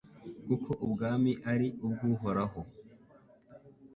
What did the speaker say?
kuko ubwami ari ubw’Uhoraho